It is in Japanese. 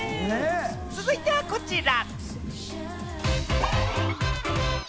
続いてはこちら。